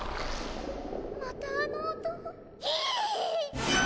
またあの音ヒィ！